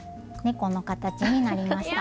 この形になりました。